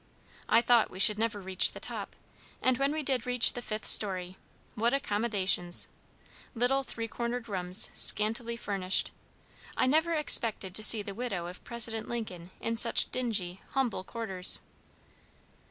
I thought we should never reach the top; and when we did reach the fifth story, what accommodations! Little three cornered rooms, scantily furnished. I never expected to see the widow of President Lincoln in such dingy, humble quarters.